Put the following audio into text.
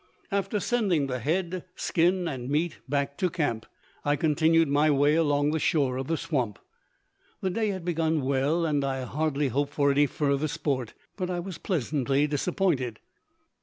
After sending the head, skin and meat back to camp, I continued my way along the shore of the swamp. The day had begun well and I hardly hoped for any further sport, but I was pleasantly disappointed.